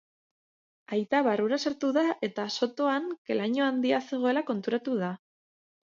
Aita barrura sartu da eta sotoan ke-laino handia zegoela konturatu da.